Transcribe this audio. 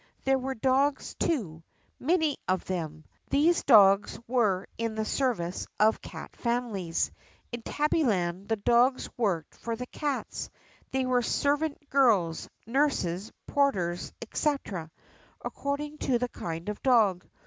There were dogs too — many of them. These dogs were in the service of cat families. In Tabbyland the dogs worked for the cats; they were servant girls, nurses, porters, etc., according to the kind of dog.